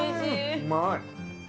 うまい。